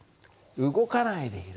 動かないでいる。